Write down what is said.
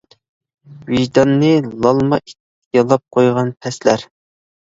ۋىجدانىنى لالما ئىت يالاپ قويغان پەسلەر!